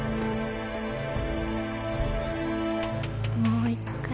もう一回。